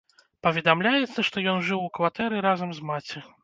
Паведамляецца, што ён жыў у кватэры разам з маці.